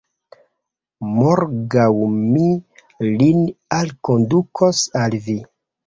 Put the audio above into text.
Morgaŭ mi lin alkondukos al vi.